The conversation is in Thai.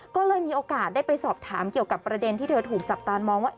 ก็เลยมีโอกาสได้ไปสอบถามเกี่ยวกับประเด็นที่เธอถูกจับตามองว่า